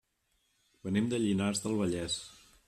Venim de Llinars del Vallès.